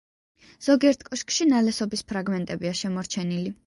ზოგიერთ კოშკში ნალესობის ფრაგმენტებია შემორჩენილი.